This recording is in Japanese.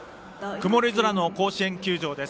曇り空の甲子園球場です。